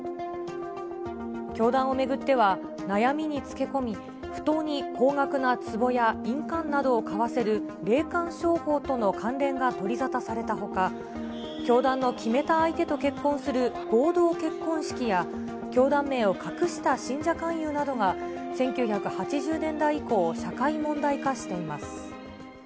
教団を巡っては、悩みにつけ込み、不当に高額なつぼや印鑑などを買わせる霊感商法との関連が取り沙汰されたほか、教団の決めた相手と結婚する、合同結婚式や、教団名を隠した信者勧誘などが、１９８０年代以降、社会問題化しています。